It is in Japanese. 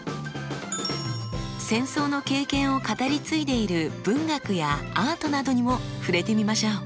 戦争の経験を語り継いでいる文学やアートなどにも触れてみましょう。